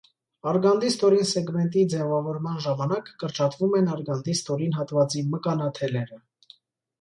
Արգանդի ստորին սեգմենտի ձևավորման ժամանակ կրճատվում են արգանդի ստորին հատվածի մկանաթելերը։